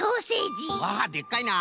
あっでっかいな。